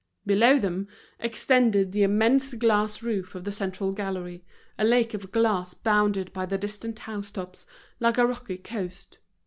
Below them, extended the immense glass roof of the central gallery, a lake of glass bounded by the distant housetops, like a rocky coast.